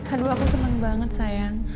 aduh aku seneng banget sayang